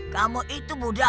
kamu itu budakku